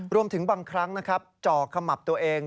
รวมถึงบางครั้งจ่อกะหมับตัวเอง